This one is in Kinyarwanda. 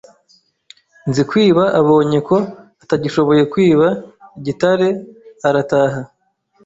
Nzikwiba abonye ko atagishoboye kwiba Gitare arataha